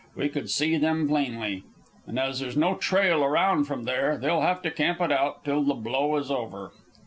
We could see them plainly. And as there's no trail around from there, they'll have to camp it out till the blow is over."